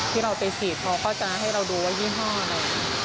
ที่เราไปฉีดเขาก็จะให้เราดูว่ายี่ห้ออะไร